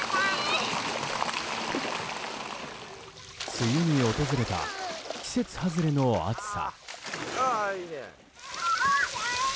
梅雨に訪れた季節外れの暑さ。